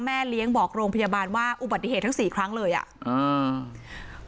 เลี้ยงบอกโรงพยาบาลว่าอุบัติเหตุทั้งสี่ครั้งเลยอ่ะอ่า